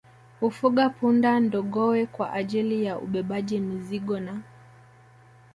Hufuga punda ndogowe kwa ajili ya ubebaji mizigo na